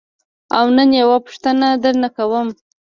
او نن یوه پوښتنه درنه کوم.